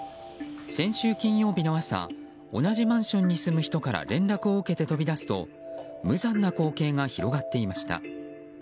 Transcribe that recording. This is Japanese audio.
先週金曜日の朝同じマンションに住む人から連絡を受けて飛び出すと無残な光景が広がっていました。